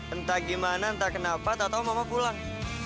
entah gimana entah kenapa tak tau mama pulang